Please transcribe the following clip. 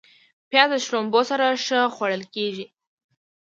پیاز د شړومبو سره ښه خوړل کېږي